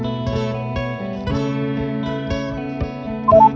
beberapa anggota puri pakai ter primera tahap